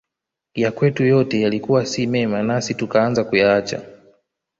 Yakwetu yote yalikuwa si mema nasi tukaanza kuyaacha